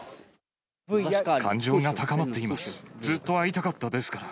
感情が高まっています。